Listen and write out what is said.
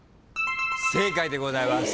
正解でございます。